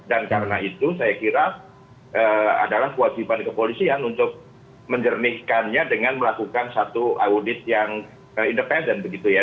dan karena itu saya kira adalah kewajiban kepolisian untuk menjernihkannya dengan melakukan satu audit yang independen begitu ya